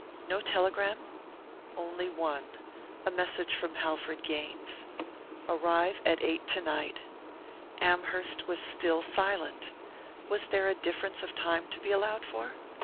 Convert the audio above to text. No telegram? Only one a message from Halford Gaines "Arrive at eight tonight." Amherst was still silent! Was there a difference of time to be allowed for?